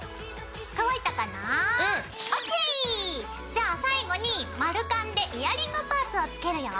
じゃ最後に丸カンでイヤリングパーツをつけるよ！